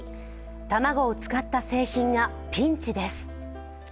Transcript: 卵を使った製品がピンチです。